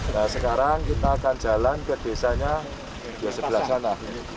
nah sekarang kita akan jalan ke desanya di sebelah sana